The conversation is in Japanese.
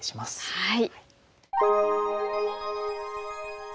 はい。